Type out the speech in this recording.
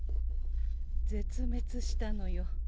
絶滅したのよ。